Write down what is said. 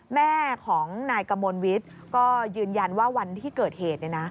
แม่ของนายกมลวิทย์ก็ยืนยันว่าวันที่เกิดเหตุ